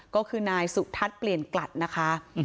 ก็คือนายสุทัศน์เปลี่ยนกลัดนะคะ